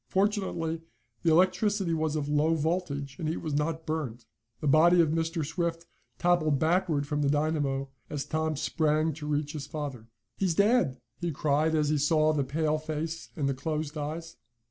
Fortunately the electricity was of low voltage, and he was not burned. The body of Mr. Swift toppled backward from the dynamo, as Tom sprang to reach his father. "He's dead!" he cried, as he saw the pale face and the closed eyes.